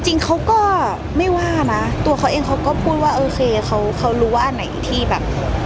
จริงเขาก็ไม่ว่านะตัวเขาเองเขาก็พูดว่าโอเคเขารู้ว่าอันไหนที่แบบ